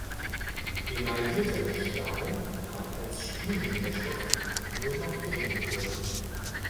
Emaillierter Stahl hat als Spülen-Werkstoff nur noch geringe Bedeutung.